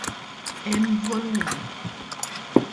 Hemm volumi.